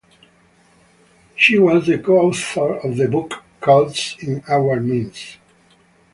She was the co-author of the book "Cults in Our Midst".